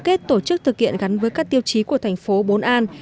kết tổ chức thực hiện gắn với các tiêu chí của thành phố bốn an